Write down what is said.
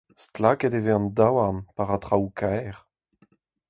Stlaket e vez an daouarn pa ra traoù kaer.